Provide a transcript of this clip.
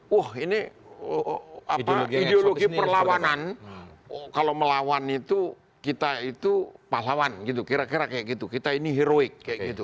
wah ini ideologi perlawanan kalau melawan itu kita itu pahlawan gitu kira kira kayak gitu kita ini heroik kayak gitu